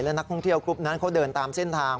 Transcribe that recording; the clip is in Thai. และนักท่องเที่ยวกรุ๊ปนั้นเขาเดินตามเส้นทาง